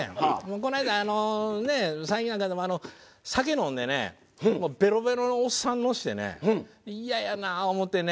この間あの最近なんかでもあの酒飲んでねもうベロベロのおっさん乗せてねイヤやな思うてね。